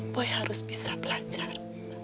boy harus bisa belajar